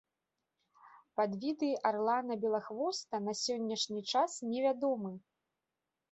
Падвіды арлана-белахвоста на сённяшні час невядомы.